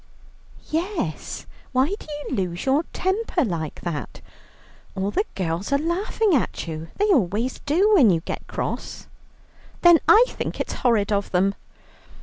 "Yes, why do you lose your temper like that? All the girls are laughing at you; they always do when you get cross." "Then I think it's horrid of them."